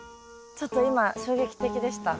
ちょっと今衝撃的でした。